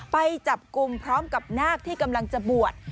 ไปจับกลุ่มพร้อมกับนาคที่กำลังจะบวช